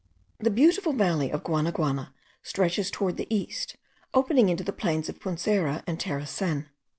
The beautiful valley of Guanaguana stretches towards the east, opening into the plains of Punzera and Terecen.